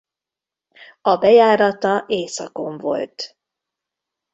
A bejárata északon volt.